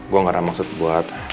gue gak ada maksud buat